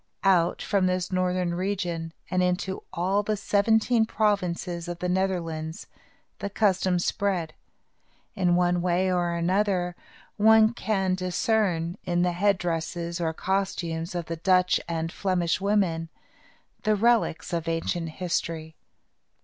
Out from this northern region, and into all the seventeen provinces of the Netherlands, the custom spread. In one way or another, one can discern, in the headdresses or costumes of the Dutch and Flemish women, the relics of ancient history.